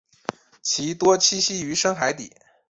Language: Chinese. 其多栖息于深海底。